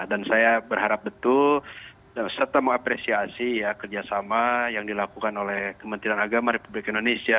dan saya berharap betul serta mengapresiasi ya kerjasama yang dilakukan oleh kementerian agama republik indonesia